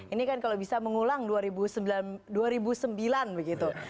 ini kan kalau bisa mengulang dua ribu sembilan begitu